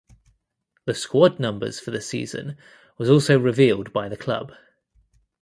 The squad numbers for the season was also revealed by the club.